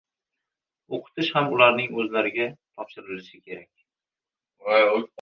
o‘qitish ham ularning o‘zlariga topshirilishi kerak.